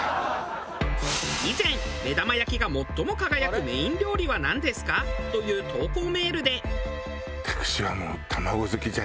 以前「目玉焼きが最も輝くメイン料理はなんですか？」という投稿メールで。